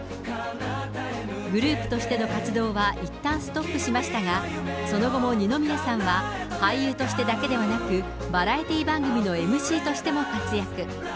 グループとしての活動はいったんストップしましたが、その後も二宮さんは俳優としてだけでなく、バラエティー番組のＭＣとしても活躍。